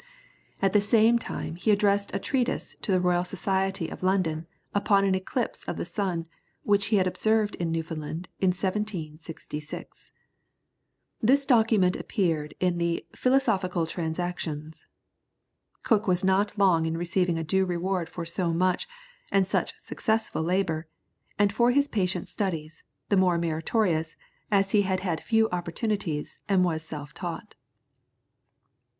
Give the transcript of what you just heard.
At the same time he addressed a treatise to the Royal Society of London, upon an eclipse of the sun, which he had observed in Newfoundland in 1766. This document appeared in the "Philosophical Transactions." Cook was not long in receiving a due reward for so much, and such successful labour, and for his patient studies, the more meritorious, as he had had few opportunities, and was self taught.